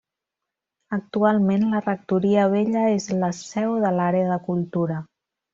Actualment la Rectoria Vella és la seu de l'Àrea de Cultura.